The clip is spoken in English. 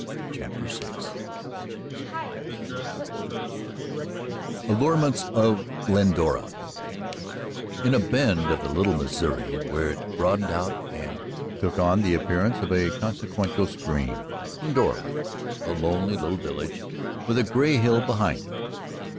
CHAPTER VI ALLUREMENTS OF GLENDORA In a bend of the Little Missouri, where it broadened out and took on the appearance of a consequential stream, Glendora lay, a lonely little village with a gray hill behind it.